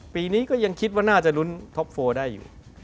ปีนี้ก็ยังคิดว่าน่าจะลุ้นท็อปโฟได้อยู่